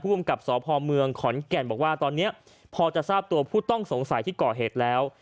ภูมิกับสพเมืองขอนแก่นบอกว่าตอนนี้พอจะทราบตัวผู้ต้องสงสัยที่ก่อเหตุแล้ว